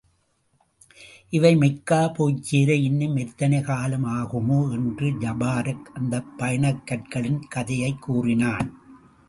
இவை மெக்கா போய்ச்சேர இன்னும் எத்தனை காலம் ஆகுமோ? என்று ஜபாரக் அந்தப் பயணக் கற்களின் கதையைக் கூறினான்.